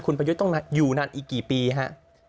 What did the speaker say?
คุณประยุทธ์ต้องอยู่นานอีกกี่ปีฮะ